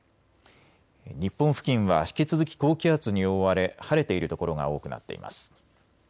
日本付近は引き続き高気圧に覆われ晴れている所が多くなっています。